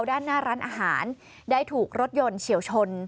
ด้านหน้าร้านอาหารได้ถูกรถยนต์เฉียวชน